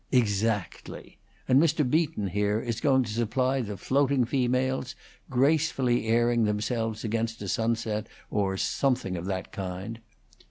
"Exactly. And Mr. Beaton, here, is going to supply the floating females, gracefully airing themselves against a sunset or something of that kind."